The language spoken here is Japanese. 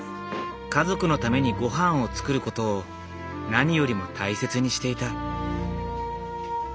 家族のためにごはんを作ることを何よりも大切にしていた。